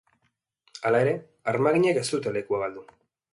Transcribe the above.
Hala ere, armaginek ez dute lekua galdu.